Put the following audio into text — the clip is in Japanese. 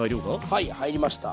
はい入りました。